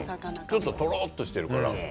ちょっととろっとしてるから。